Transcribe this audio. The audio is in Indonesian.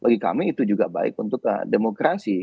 bagi kami itu juga baik untuk demokrasi